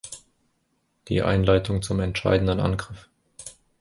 Die Einleitung zum entscheidenden Angriff.